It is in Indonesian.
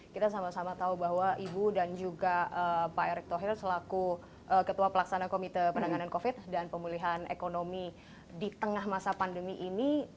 kita sama sama tahu bahwa ibu dan juga pak erick thohir selaku ketua pelaksana komite penanganan covid dan pemulihan ekonomi di tengah masa pandemi ini